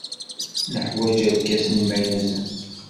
Neḥwaj irkasen imaynuten.